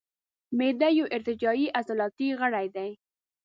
معده یو ارتجاعي عضلاتي غړی دی.